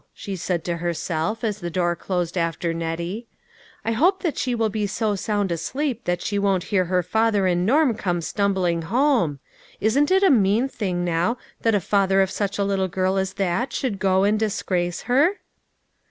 she said to herself as the door closed after Nettie. " I hope she will be so sound asleep that she won't hear her father and Norm come stumbling home. Isn't it a mean thing, now, that the father of such a little girl as that should go and disgrace her?"